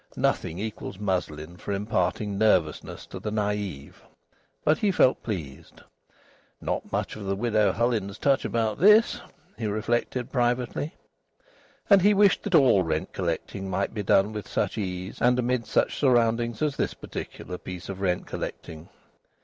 Nothing equals muslin for imparting nervousness to the naïve. But he felt pleased. "Not much of the Widow Hullins touch about this!" he reflected privately. And he wished that all rent collecting might be done with such ease, and amid such surroundings, as this particular piece of rent collecting.